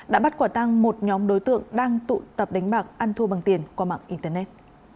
đã bắt quả tăng một nhóm đối tượng đang tụ tập đánh bạc ăn thua bằng tiền qua mạng internet